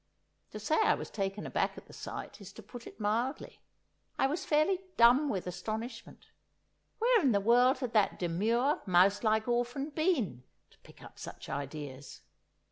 To say I was taken aback at the sight, is to put it mildly; I was fairly dumb with astonishment. Where in the world had that demure, mouse like orphan been to pick up such ideas!